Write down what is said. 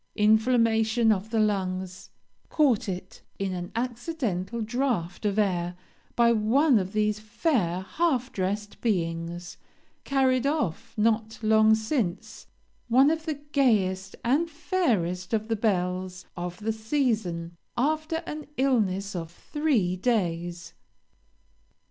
Inflammation of the lungs, caught it in an accidental draught of air by one of these fair half dressed beings, carried off, not long since, one of the gayest and fairest of the belles of the season after an illness of three days.